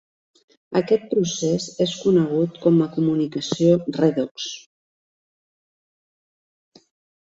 Aquest procés és conegut com a comunicació redox.